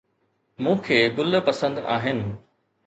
مون کي گل پسند آهن